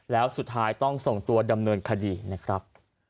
แล้วสุดท้ายต้องส่งตัวดำเนินคดีนะครับ